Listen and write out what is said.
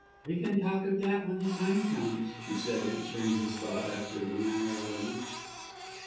"We can talk of that when the time comes," she said, answering his thought after the manner of women.